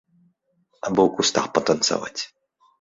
Абы ў кустах патанцаваць.